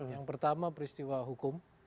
yang pertama peristiwa hukum